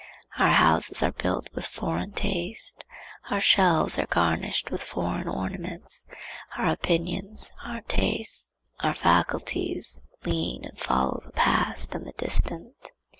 Our houses are built with foreign taste; our shelves are garnished with foreign ornaments; our opinions, our tastes, our faculties, lean, and follow the Past and the Distant.